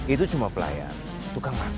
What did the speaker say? itu cuma pelayan tukang mas